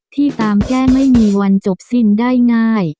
ที่ตามแก้ไม่มีวันจบสิ้นได้ง่าย